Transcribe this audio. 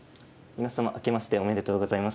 皆様明けましておめでとうございます。